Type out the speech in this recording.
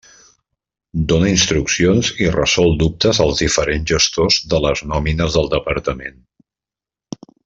Dóna instruccions i resol dubtes als diferents gestors de les nòmines del Departament.